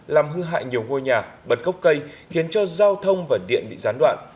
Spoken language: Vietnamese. làm hư hại nhiều ngôi nhà bật gốc cây khiến cho giao thông và điện bị gián đoạn